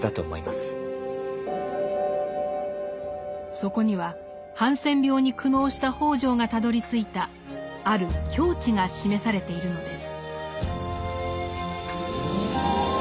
そこにはハンセン病に苦悩した北條がたどりついたある境地が示されているのです。